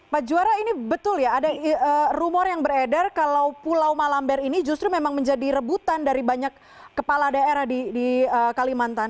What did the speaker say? pak juara ini betul ya ada rumor yang beredar kalau pulau malamber ini justru memang menjadi rebutan dari banyak kepala daerah di kalimantan